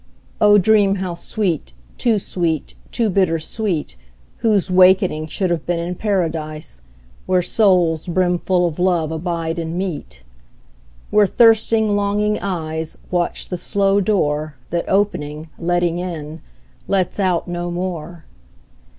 O dream how sweet, too sweet, too bitter sweet, Whose wakening should have been in Paradise, Where souls brimful of love abide and meet; Where thirsting longing eyes Watch the slow door That opening, letting in, lets out no more.